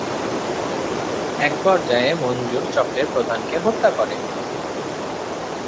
এক পর্যায়ে মনজুর চক্রের প্রধানকে হত্যা করে।